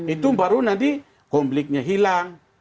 itu baru nanti konfliknya hilang